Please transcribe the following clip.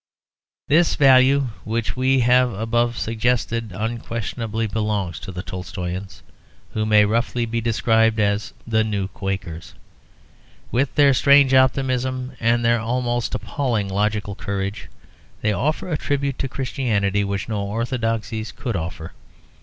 This value which we have above suggested unquestionably belongs to the Tolstoians, who may roughly be described as the new Quakers. With their strange optimism, and their almost appalling logical courage, they offer a tribute to Christianity which no orthodoxies could offer.